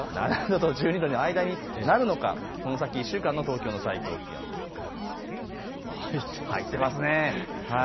７度と１２度の間になるのか、この先１週間の東京の最高気温です。